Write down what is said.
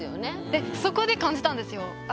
でそこで感じたんですよ。